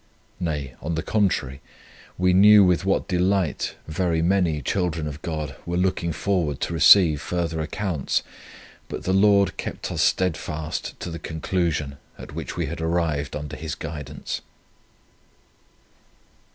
Nay, on the contrary, we knew with what delight very many children of God were looking forward to receive further accounts. But the Lord kept us steadfast to the conclusion, at which we had arrived under His guidance."